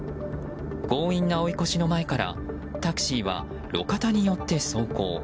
強引な追い越しの前からタクシーは路肩に寄って走行。